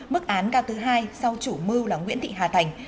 mức án cao thứ hai sau chủ mưu là nguyễn thị hà thành